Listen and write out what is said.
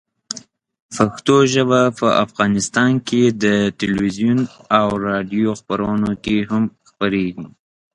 پښتو ژبه په افغانستان کې د تلویزیون او راډیو خپرونو کې هم خپرېږي.